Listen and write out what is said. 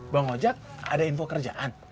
bang ojek ada info kerjaan